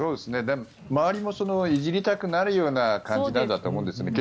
周りもいじりたくなるような感じだと思うんです。